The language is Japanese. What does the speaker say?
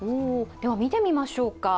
見てみましょうか。